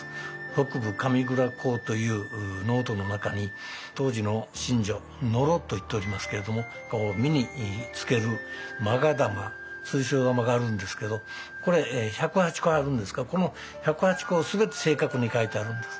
「北部神座考」というノートの中に当時の神女ノロといっておりますけれども身につけるまが玉水晶玉があるんですけどこれ１０８個あるんですがこの１０８個を全て正確に描いてあるんです。